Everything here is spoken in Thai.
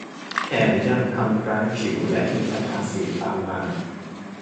แถมยังทำร้ายผิวและมีปัญหาสิวตามมา